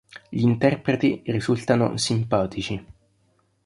Gli interpreti risultano "simpatici".